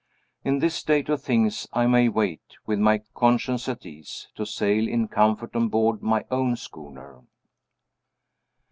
In this state of things I may wait, with my conscience at ease, to sail in comfort on board my own schooner.